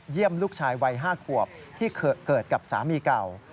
ลูกชายวัย๕ขวบที่เกิดกับสามีเก่า